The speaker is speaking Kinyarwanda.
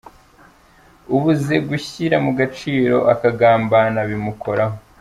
Ubuze gushyira mu gaciro akagambana bimukoraho.